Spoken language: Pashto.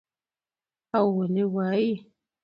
او ولې وايى